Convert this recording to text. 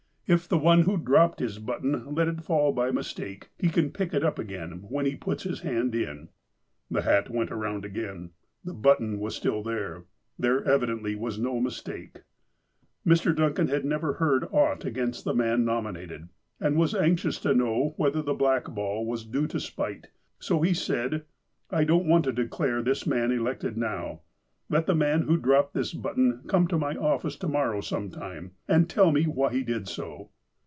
If the one who dropped his button let it fall by mistake, he can pick it up again when he puts his hand in." The hat went around again. The button was still there. There evidently was no mistake. Mr. Duncan had never heard aught against the man nominated, and was anxious to know whether the black ball was due to spite, so he said : ''I don't want to declare this man elected now. Let the man who dropped this button come to my office to morrow some time, and tell me why he did so."